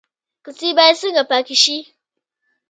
کوڅې باید څنګه پاکې شي؟